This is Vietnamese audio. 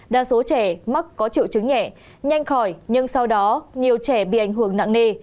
đa số trẻ mắc có triệu chứng nhẹ nhanh khỏi nhưng sau đó nhiều trẻ bị ảnh hưởng nặng nề